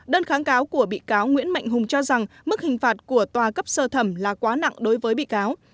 đơn kháng cáo của bị cáo nguyễn mạnh hùng cho rằng mức hình phạt của tòa cấp sơ thẩm là quá nặng đối với bị cáo